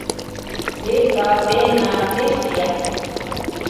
Ве-Ка-Пе-на пеш виян